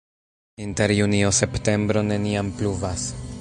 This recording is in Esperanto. Inter junio-septembro neniam pluvas.